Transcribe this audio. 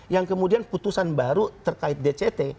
yang kemudian putusan baru terkait dct